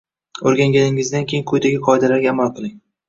O’rganganingizdan keyin quyidagi qoidalarga amal qiling.